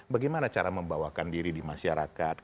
bagaimana cara membawakan diri di masyarakat